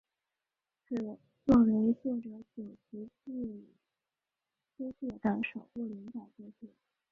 此作为作者久慈进之介的首部连载作品。